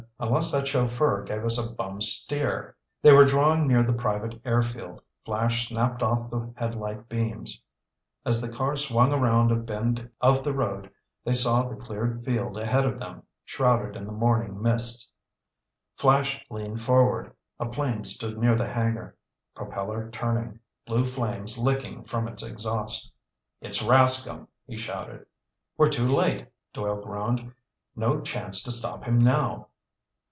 "Unless that chauffeur gave us a bum steer." They were drawing near the private air field. Flash snapped off the headlight beams. As the car swung around a bend of the road, they saw the cleared field ahead of them, shrouded in the morning mists. Flash leaned forward. A plane stood near the hangar, propeller turning, blue flames licking from its exhaust. "It's Rascomb!" he shouted. "We're too late," Doyle groaned. "No chance to stop him now."